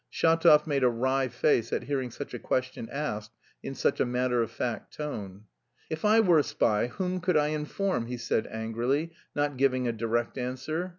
Shatov made a wry face at hearing such a question asked in such a matter of fact tone. "If I were a spy, whom could I inform?" he said angrily, not giving a direct answer.